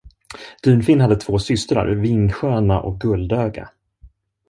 Dunfin hade två systrar: Vingsköna och Guldöga.